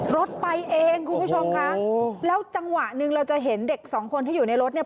รถไปเองคุณผู้ชมค่ะแล้วจังหวะหนึ่งเราจะเห็นเด็กสองคนที่อยู่ในรถเนี่ย